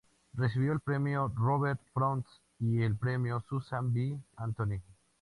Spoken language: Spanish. Recibió el "Premio Robert Frost" y el "Premio Susan B. Anthony".